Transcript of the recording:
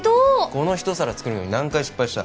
この一皿作るのに何回失敗した？